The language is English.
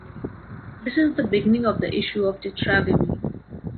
This is the beginning of the issue of Tetragamy.